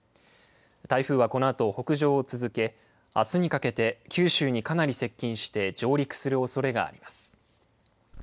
台風はこのあと北上を続け、あすにかけて九州にかなり接近して上陸するおそれがあります。